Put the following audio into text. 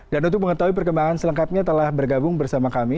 dan untuk mengetahui perkembangan selengkapnya telah bergabung bersama kami